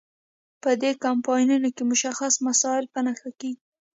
په دې کمپاینونو کې مشخص مسایل په نښه کیږي.